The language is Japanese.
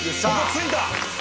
着いた！